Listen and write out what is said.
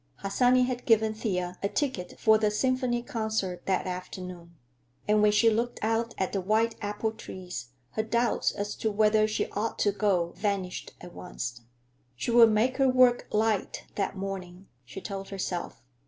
Harsanyi had given Thea a ticket for the symphony concert that afternoon, and when she looked out at the white apple trees her doubts as to whether she ought to go vanished at once. She would make her work light that morning, she told herself.